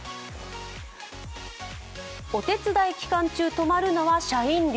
お手伝い期間中泊まるのは社員寮。